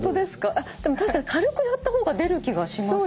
あっでも確かに軽くやった方が出る気がします。